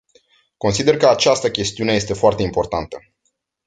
Consider că această chestiune este foarte importantă.